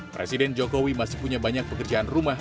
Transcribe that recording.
presiden jokowi masih punya banyak pekerjaan rumah